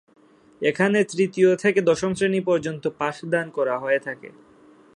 এখানে তৃতীয় থেকে দশম শ্রেণী পর্য্যন্ত পাঠদান করা হয়ে থাকে।